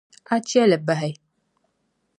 A che li bahi.